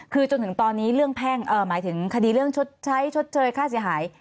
คือจนถึงตอนนี้เรื่องแพ่งหมายถึงคดีเรื่องชดใช้ชดเชยค่าเสียหาย